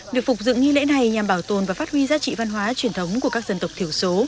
được phục dựng nghi lễ này nhằm bảo tồn và phát huy giá trị văn hóa truyền thống của các dân tộc thiểu số